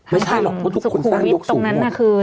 แล้วถนนพุสุขุมวิทย์ตรงนั้นคือ